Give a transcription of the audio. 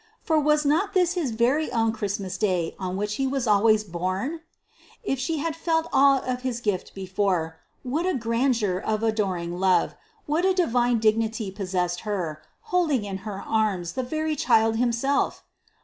for was not this his very own Christmas Day on which he was always born? If she had felt awe of his gift before, what a grandeur of adoring love, what a divine dignity possessed her, holding in her arms the very child himself!